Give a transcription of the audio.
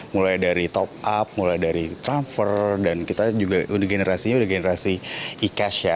mulai dari top up mulai dari transfer dan kita juga generasinya udah generasi e cash ya